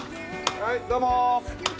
はいどーも！